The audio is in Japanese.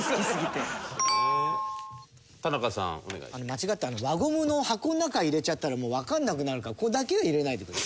間違って輪ゴムの箱の中入れちゃったらもうわかんなくなるからここだけは入れないでほしい。